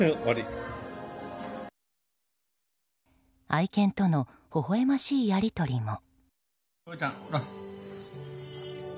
愛犬とのほほ笑ましいやり取りも。